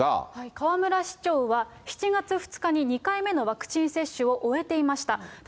河村市長は、７月２日に２回目のワクチン接種を終えていました。